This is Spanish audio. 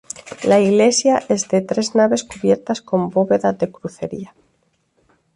La iglesia es de tres naves cubiertas con bóveda de crucería.